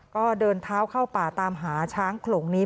ก็เดินเท้าเข้าป่าตามหาช้างโขลงนี้